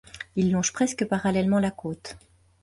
Il longe presque parallèlement la côte.